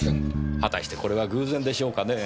果たしてこれは偶然でしょうかねぇ。